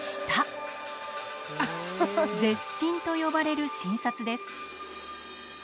舌診と呼ばれる診察です。